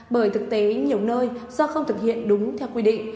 bởi thực tế nhiều nơi do không thực hiện đúng theo quy định